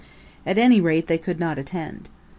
At any rate they could not attend.